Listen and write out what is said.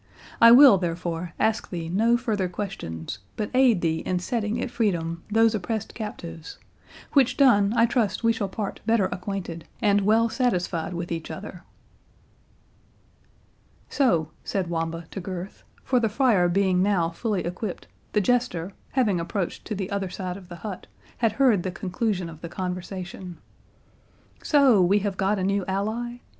I will, therefore, ask thee no further questions, but aid thee in setting at freedom these oppressed captives; which done, I trust we shall part better acquainted, and well satisfied with each other." "So," said Wamba to Gurth,—for the friar being now fully equipped, the Jester, having approached to the other side of the hut, had heard the conclusion of the conversation,—"So we have got a new ally?